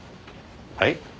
はい？